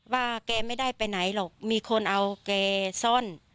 แกไม่ได้ไปไหนหรอกมีคนเอาแกซ่อน